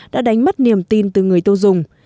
đã đánh mất niềm tin từ người tiêu dùng